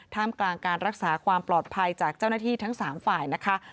กลางการรักษาความปลอดภัยจากเจ้าหน้าที่ทั้ง๓ฝ่ายนะคะ